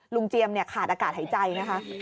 ลุงเจียมเนี่ยขาดอากาศหายใจนะคะ